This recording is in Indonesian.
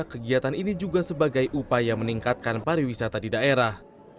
kegiatan ini juga sebagai upaya meningkatkan pariwisata di daerah